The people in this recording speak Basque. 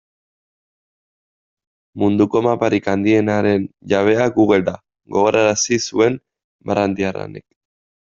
Munduko maparik handienaren jabea Google da, gogorarazi zuen Barandiaranek.